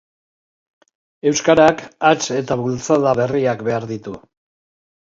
Euskarak hats eta bultzada berriak behar ditu.